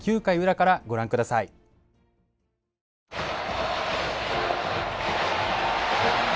９回裏からご覧ください。